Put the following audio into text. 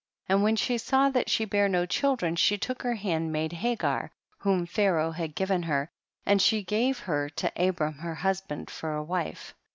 24. And when she saw that she bare no children she took her hand maid Hagar^ whom Pharaoh had given her, and she gave her to Ab rain her husband for a wife.